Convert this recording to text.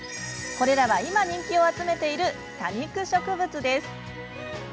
これらは今、人気を集めている多肉植物です。